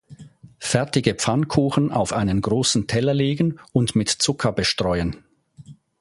Fertige Pfannkuchen auf einen großen Teller legen und mit Zucker bestreuen.